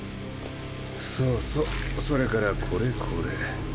そうそうそれからこれこれ。